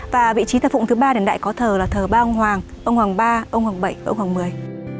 và vị trí tập phụng thứ ba đến đại có thờ là thờ ba ông hoàng ông hoàng ba ông hoàng bảy ông hoàng mười